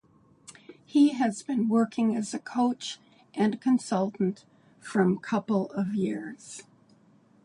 He has been working as coach and consultant from couple of years.